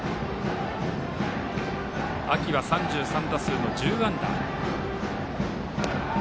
秋は３３打数の１０安打。